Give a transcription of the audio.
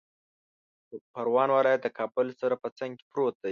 پروان ولایت د کابل سره په څنګ کې پروت دی